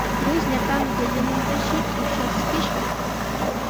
Luis llapan qellaynintashi ushaskishqa.